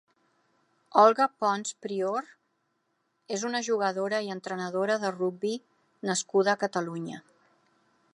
Olga Pons Prior és una jugadora i entrenadora de rugbi nascuda a Catalunya.